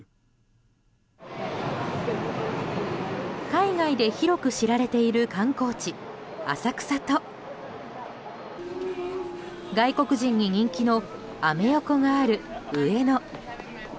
海外で広く知られている観光地・浅草と外国人に人気のアメ横がある上野。